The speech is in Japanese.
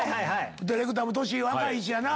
ディレクターも年若いしやな。